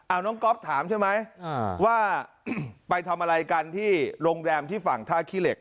เอาน้องก๊อฟถามใช่ไหมว่าไปทำอะไรกันที่โรงแรมที่ฝั่งท่าขี้เหล็ก